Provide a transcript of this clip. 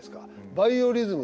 バイオリズム